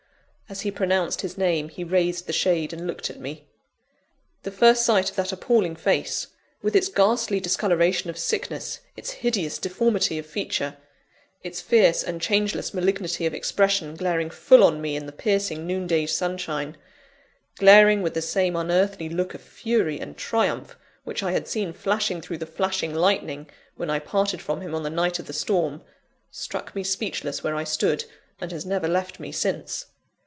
As he pronounced his name, he raised the shade and looked at me. The first sight of that appalling face, with its ghastly discolouration of sickness, its hideous deformity of feature, its fierce and changeless malignity of expression glaring full on me in the piercing noonday sunshine glaring with the same unearthly look of fury and triumph which I had seen flashing through the flashing lightning, when I parted from him on the night of the storm struck me speechless where I stood, and has never left me since.